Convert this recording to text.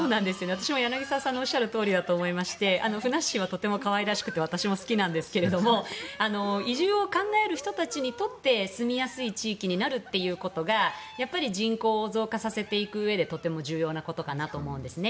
私も柳澤さんのおっしゃるとおりだと思いましてふなっしーはとても可愛らしくて私も好きなんですが移住を考える人たちにとって住みやすい地域になることが人口増加させていくうえでとても重要なことかなと思うんですね。